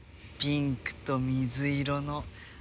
ピンクと水色の。